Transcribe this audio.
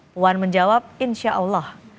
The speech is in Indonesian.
puan menjawab insya allah